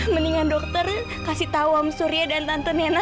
mendingan dokter kasih tau om surya dan tante nena